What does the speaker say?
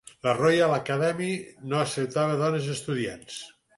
La Royal Academy no acceptava dones estudiants.